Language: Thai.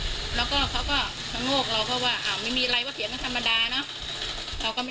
แต่พอเห็นว่าเหตุการณ์มันเริ่มเข้าไปห้ามทั้งคู่ให้แยกออกจากกัน